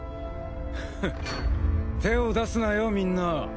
フッ手を出すなよみんな。